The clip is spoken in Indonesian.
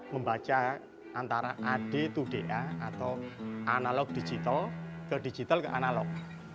membaca antara ad to da atau analog digital ke digital ke analog